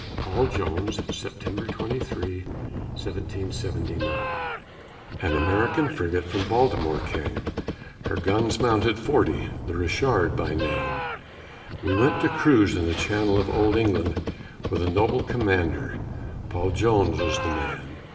PAUL JONES [September 23, 1779] An American frigate from Baltimore came, Her guns mounted forty, the Richard by name; Went to cruise in the channel of old England, With a noble commander, Paul Jones was the man.